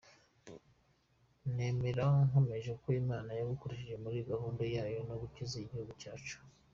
Nemera nkomeje ko Imana yagukoresheje muri gahunda yayo yo gukiza igihugu cyacu.